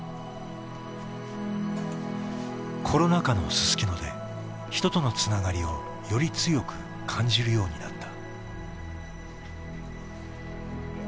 コロナ禍のすすきので人との繋がりをより強く感じるようになった。